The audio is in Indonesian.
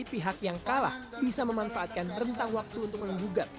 pihak yang kalah bisa memanfaatkan rentang waktu untuk menggugat